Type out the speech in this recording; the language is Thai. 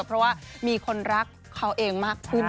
เพราะว่ามีคนรักเขาเองมากขึ้น